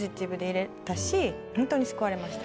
ホントに救われました。